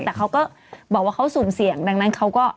แต่เขาก็บอกว่าเขาสุ่มเสี่ยงดังนั้นเขาก็